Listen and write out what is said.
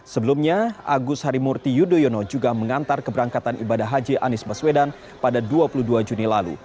sebelumnya agus harimurti yudhoyono juga mengantar keberangkatan ibadah haji anies baswedan pada dua puluh dua juni lalu